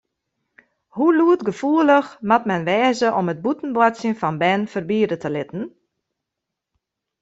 Hoe lûdgefoelich moat men wêze om it bûten boartsjen fan bern ferbiede te litten?